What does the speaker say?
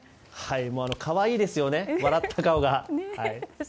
可愛いですよね笑った顔が。